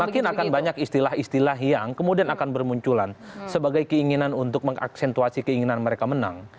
makin akan banyak istilah istilah yang kemudian akan bermunculan sebagai keinginan untuk mengaksentuasi keinginan mereka menang